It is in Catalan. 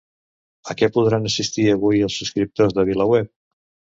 A què podran assistir avui els subscriptors de VilaWeb?